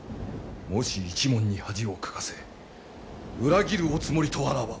もし一門に恥をかかせ裏切るおつもりとあらば。